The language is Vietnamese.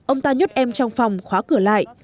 ông ta nhốt em trong phòng khóa cửa lại